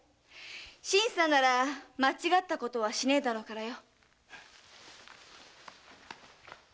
新さんなら間違ったことはしねえだろうからよ。